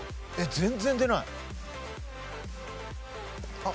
全然出ない。